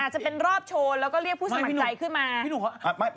จะเป็นรอบโชว์แล้วก็เรียกผู้สมัครใจขึ้นมา